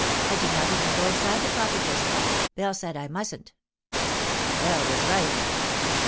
I did not even g* inside the cottages. Bell said I mustn't." " Bell was right.